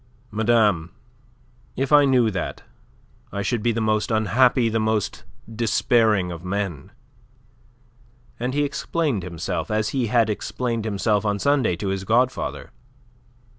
"Madame, if I knew that, I should be the most unhappy, the most despairing of men." And he explained himself, as he had explained himself on Sunday to his godfather.